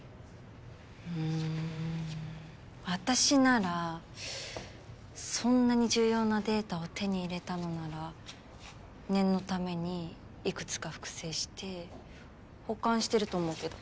うーん私ならそんなに重要なデータを手に入れたのなら念のためにいくつか複製して保管してると思うけど。